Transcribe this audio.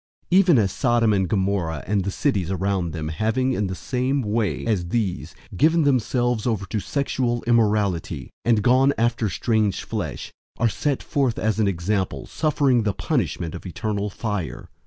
001:007 Even as Sodom and Gomorrah, and the cities around them, having, in the same way as these, given themselves over to sexual immorality and gone after strange flesh, are set forth as an example, suffering the punishment of eternal fire.